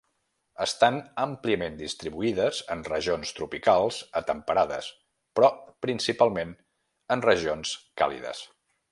Estan àmpliament distribuïdes en regions tropicals a temperades, però principalment en regions càlides.